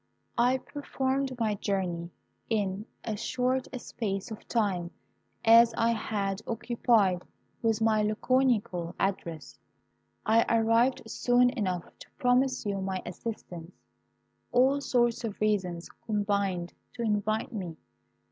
I performed my journey in as short a space of time as I had occupied with my laconical address. I arrived soon enough to promise you my assistance. All sorts of reasons combined to invite me.